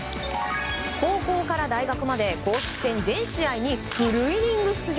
高校から大学まで公式戦全試合にフルイニング出場。